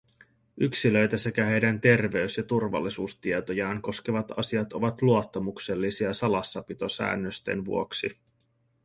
Yksilöitä sekä heidän terveys- ja turvallisuustietojaan koskevat asiat ovat luottamuksellisia salassapitosäännösten vuoksi.